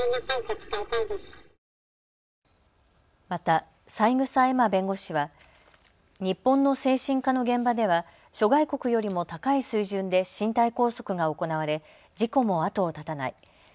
また三枝恵真弁護士は日本の精神科の現場では諸外国よりも高い水準で身体拘束が行われ事故も後を絶たない。